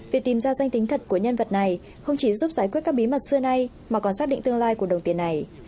việc tìm ra danh tính thật của nhân vật này không chỉ giúp giải quyết các bí mật xưa nay mà còn xác định tương lai của đồng tiền này